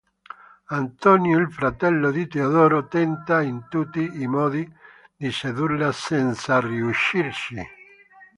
Antonio, il fratello di Teodoro, tenta in tutti i modi di sedurla senza riuscirci.